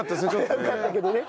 危うかったけどね。